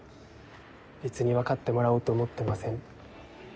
別にわかってもらおうと思ってません。